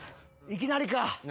いきなりか。